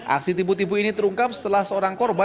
aksi tipu tipu ini terungkap setelah seorang korban